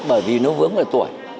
bởi vì nó vướng với tuổi